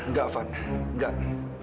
nggak taufan nggak